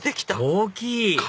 大きい！